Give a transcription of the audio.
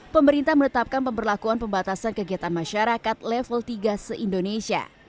pemerintah menetapkan pemberlakuan pembatasan kegiatan masyarakat level tiga se indonesia